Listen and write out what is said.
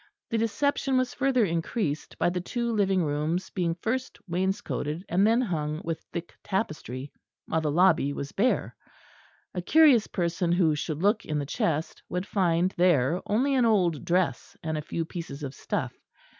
The deception was further increased by the two living rooms being first wainscoted and then hung with thick tapestry; while the lobby was bare. A curious person who should look in the chest would find there only an old dress and a few pieces of stuff.